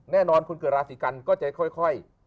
แน่นอนคนเกิดราศีกันก็จะค่อย